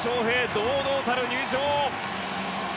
堂々たる入場。